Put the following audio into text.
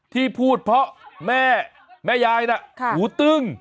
ที่พูดเพราะแม่แม่ยายน่ะหูตึ้ง